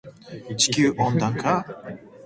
地球温暖化